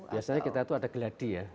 biasanya kita itu ada geladi ya